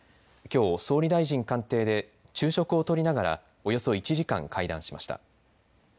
きょう総理大臣官邸で昼食をとりながらおよそ１時間会談しました。